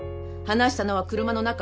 話したのは車の中？